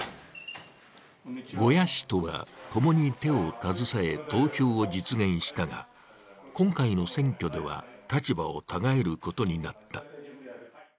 呉屋氏とは、共に手を携え投票を実現したが今回の選挙では立場をたがえることになった。